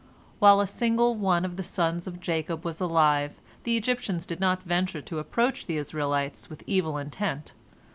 While a single one of the sons of Jacob was alive, the Egyptians did not venture to approach the Israelites with evil intent.